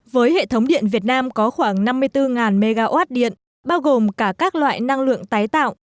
với hệ thống điện việt nam có khoảng năm mươi bốn mw điện bao gồm cả các loại năng lượng tái tạo